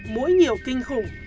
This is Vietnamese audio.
mũi nhiều kinh khủng